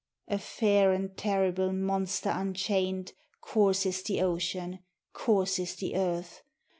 A fair and terrible Monster unchained Courses the ocean, Courses the earth.